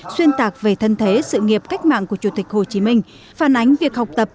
xuyên tạc về thân thế sự nghiệp cách mạng của chủ tịch hồ chí minh phản ánh việc học tập